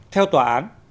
theo tòa án